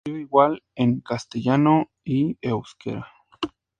Se escribe igual en castellano y euskera.